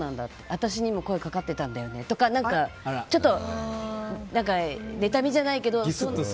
私にも声かかってたんだよねとかってちょっと何か、妬みじゃないけど。